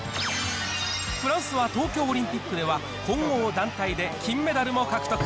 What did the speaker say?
フランスは東京オリンピックでは、混合団体で金メダルも獲得。